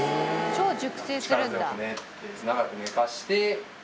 超熟成するんだ。